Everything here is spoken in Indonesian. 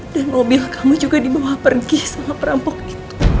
dan mobil kamu juga dibawa pergi sama perampok itu